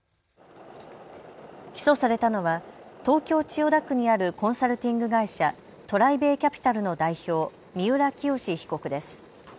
起訴されたのは東京千代田区にあるコンサルティング会社、ＴＲＩＢＡＹＣＡＰＩＴＡＬの代表、三浦清志被告です。